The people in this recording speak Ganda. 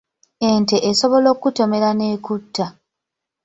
Ente esobola okukutomera n’ekutta.